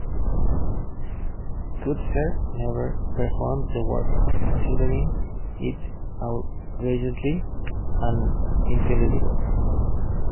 Kreutzer never performed the work, considering it "outrageously unintelligible".